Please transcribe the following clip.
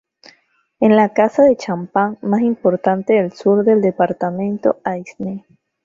Es la casa de champán más importante del sur del departamento Aisne.